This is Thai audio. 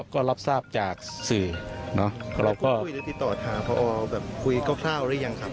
ก็รับทราบจากสื่อแล้วก็คุยหรือติดต่อถามคุยก้าวข้าวหรือยังครับ